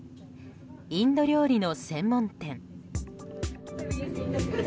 インド料理の専門店。